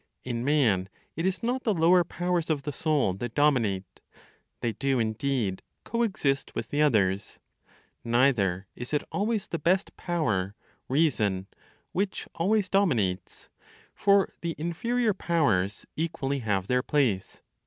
In man, it is not the lower powers of the soul that dominate. They do indeed co exist with the others. Neither is it always the best power (reason), which always dominates; for the inferior powers equally have their place.